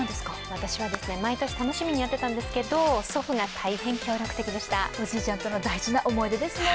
私はですね、毎年楽しみにやってたんですけど、祖父が大変協力的でしたおじいちゃんとの大事な思い出ですね。